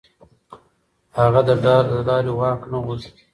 هغه د ډار له لارې واک نه غوښت.